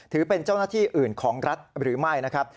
ถือเป็นเจ้าหน้าที่อื่นของรัฐหรือไม่นะครับ